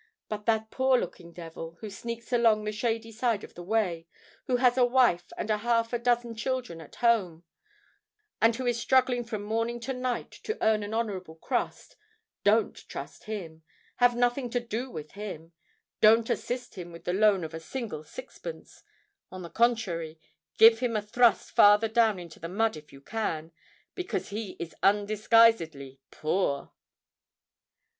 —But that poor looking devil, who sneaks along the shady side of the way—who has a wife and half a dozen children at home—and who is struggling from morning to night to earn an honourable crust,—don't trust him—have nothing to do with him—don't assist him with the loan of a single sixpence—on the contrary, give him a thrust farther down into the mud, if you can;—because he is undisguisedly poor!